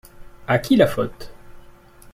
À qui la faute ?